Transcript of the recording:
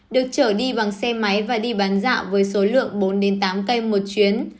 được trở đi bằng xe máy và đi bán dạo với số lượng bốn tám cây một chuyến